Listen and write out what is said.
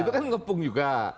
itu kan ngepung juga